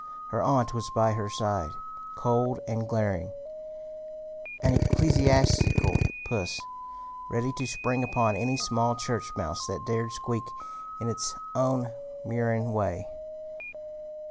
Her aunt was by her side, cold and glaring, an ecclesiastical puss, ready to spring upon any small church mouse that dared squeak in its own murine way.